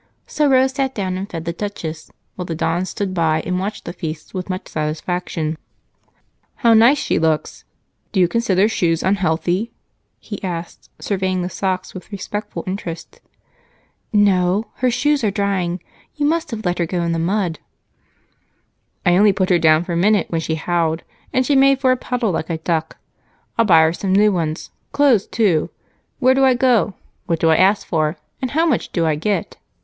So Rose sat down and fed the Duchess while the Don stood by and watched the feast with much satisfaction. "How nice she looks! Do you consider shoes unhealthy?" he asked, surveying the socks with respectful interest. "No, her shoes are drying. You must have let her go in the mud." "I only put her down for a minute when she howled, and she made for a puddle, like a duck. I'll buy her some new ones clothes too. Where do I go, what do I ask for, and how much do I get?"